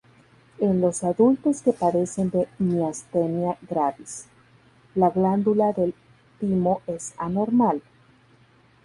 En los adultos que padecen de miastenia gravis, la glándula del timo es anormal.